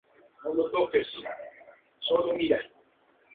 Hace una síntesis caballeresco-sentimental del mundo fronterizo español.